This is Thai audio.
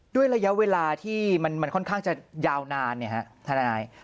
ด้วยระยะเวลาที่มันค่อนข้างจะยาวนานเนี่ยฮะทนาย